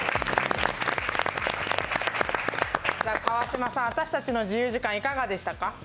川島さん、私たちの自由時間いかがでしたか？